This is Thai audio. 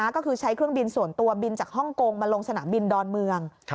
ก็คือใช้เครื่องบินส่วนตัวบินจากฮ่องกงมาลงสนามบินดอนเมือง